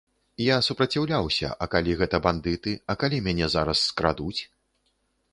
Я супраціўляўся, а калі гэта бандыты, а калі мяне зараз скрадуць?